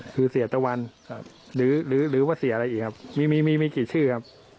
คือเสียตะวันหรือหรือว่าเสียอะไรอีกครับมีมีกี่ชื่อครับ